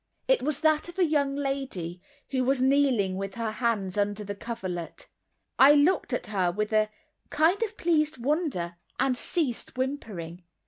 It was that of a young lady who was kneeling, with her hands under the coverlet. I looked at her with a kind of pleased wonder, and ceased whimpering.